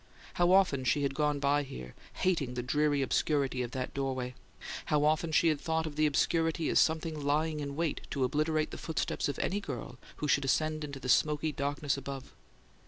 How often she had gone by here, hating the dreary obscurity of that stairway; how often she had thought of this obscurity as something lying in wait to obliterate the footsteps of any girl who should ascend into the smoky darkness above!